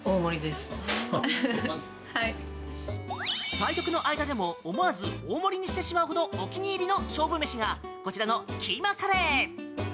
対局の間でも思わず大盛りにしてしまうほどお気に入りの勝負飯がこちらのキーマカレー。